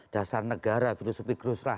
dasar negara filosofi krusrah